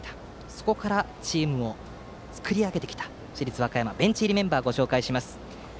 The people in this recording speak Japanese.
そこからチームを作り上げてきた市立和歌山のベンチ入りメンバーをご紹介します。